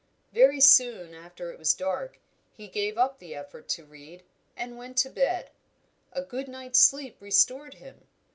Very soon after it was dark he gave up the effort to read, and went to bed. A good night's sleep restored him.